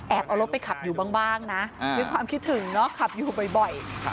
เอารถไปขับอยู่บ้างนะด้วยความคิดถึงเนาะขับอยู่บ่อย